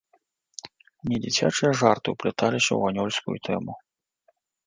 Недзіцячыя жарты ўпляталіся і ў анёльскую тэму.